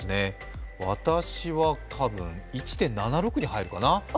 私は多分１．７６に入るかな。